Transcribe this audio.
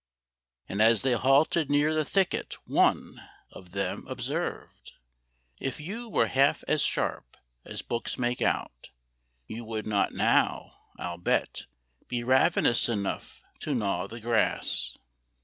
And as they halted near the thicket, one Of them observed, "If you were half as sharp As books make out, you would not now, I'll bet, Be ravenous enough to gnaw the grass."